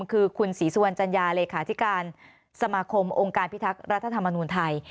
คือคุณศรีสุวรรณจัญญาเลขาธิการสมาคมองค์การพิทักษ์รัฐธรรมนูญไทย